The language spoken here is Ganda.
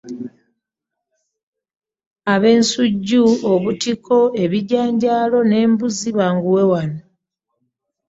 Abensujju, obutiko, bijanjaalo n'embuzi banguwe wano